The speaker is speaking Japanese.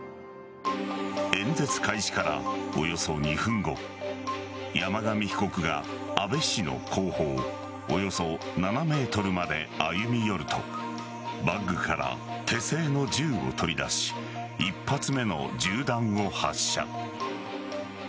演説開始から、およそ２分後山上被告が安倍氏の後方およそ７ｍまで歩み寄るとバッグから手製の銃を取り出し１発目の銃弾を発射。